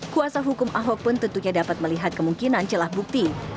kuasa hukum ahok pun tentunya dapat melihat kemungkinan celah bukti